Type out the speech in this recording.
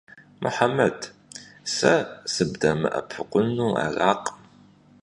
Мухьэмэд, сэ сыбдэмыӀэпыкъуну аракъым.